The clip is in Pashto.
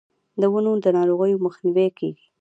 د ونو د ناروغیو مخنیوی کیږي.